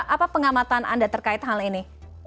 apa pengamatan anda terkait hal ini